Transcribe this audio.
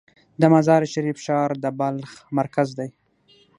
د مزار شریف ښار د بلخ مرکز دی